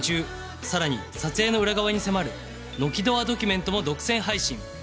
さらに撮影の裏側に迫る「ノキドアドキュメント」も独占配信